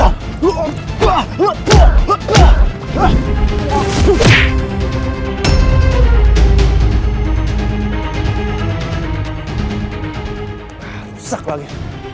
ah rusak lagi